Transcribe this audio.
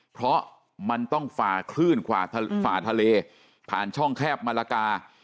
เพราะมันต้องฝ่าคลื่นฝ่าทะเลผ่านช่องแคบมะละกา